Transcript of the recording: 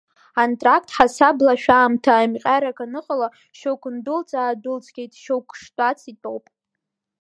Антракт ҳасаблашәааамҭа-еимҟьарак аныҟала, шьоук ндәылҵ-аадәылҵқәеит, шьоук штәац итәоуп.